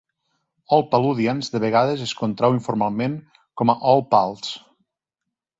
"Old Paludians" de vegades es contrau informalment com a "Old Pals".